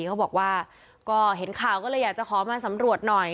เขาบอกว่าก็เห็นข่าวก็เลยอยากจะขอมาสำรวจหน่อย